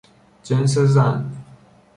جنس زن